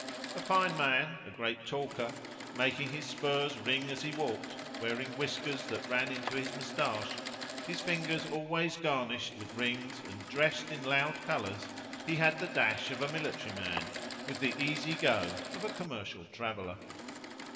A fine man, a great talker, making his spurs ring as he walked, wearing whiskers that ran into his moustache, his fingers always garnished with rings and dressed in loud colours, he had the dash of a military man with the easy go of a commercial traveller.